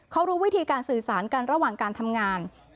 เขารู้วิธีการสื่อสารกันระหว่างการทำงาน